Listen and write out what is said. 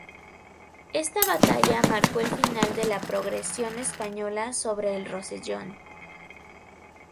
Esta batalla marcó el final de la progresión española sobre el Rosellón.